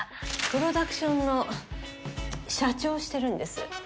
プロダクションの社長をしてるんです。